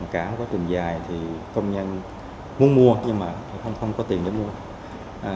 cả quá trình dài thì công nhân muốn mua nhưng mà không có tiền để mua